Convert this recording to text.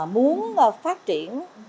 muốn phát triển